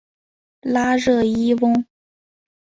拉热伊翁。